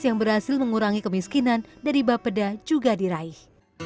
yang berhasil mengurangi kemiskinan dari bapeda juga diraih